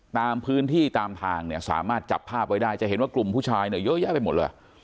ตามพื้นที่ตามทางเนี่ยสามารถจับภาพไว้ได้จะเห็นว่ากลุ่มผู้ชายเนี่ยเยอะแยะไปหมดเลย